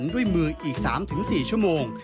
ด้วยมืออีก๓๔ชั่วโมง